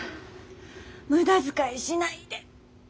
無駄遣いしないで。